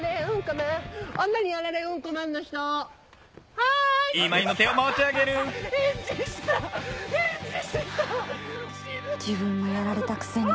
はぁ自分もやられたくせに。